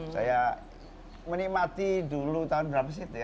saya menikmati dulu tahun berapa sih itu ya